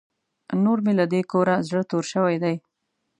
نور مې له دې کوره زړه تور شوی دی.